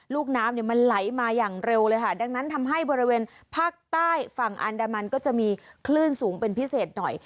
ลูกน้ำเนี่ยมันไหลมาอย่างเร็วเลยค่ะดังนั้นทำให้บริเวณภาคใต้ฝั่งอันดามันก็จะมีคลื่นสูงเป็นพิเศษหน่อย